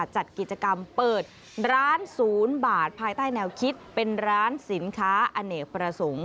จัดกิจกรรมเปิดร้านศูนย์บาทภายใต้แนวคิดเป็นร้านสินค้าอเนกประสงค์